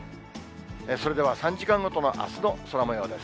それでは３時間ごとの、あすの空もようです。